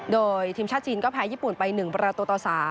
โดยทีมชาติจีนก็แพ้ญี่ปุ่นไป๑ประตูต่อ๓